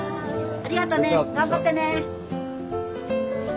ありがとね頑張ってね。